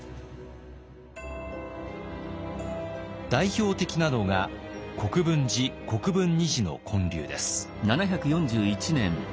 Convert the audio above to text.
代表的なのが国分寺・国分尼寺の建立です。